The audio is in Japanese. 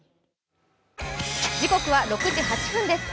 時刻は６時８分です。